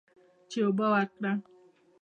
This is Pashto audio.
چې اوبه ورکړه.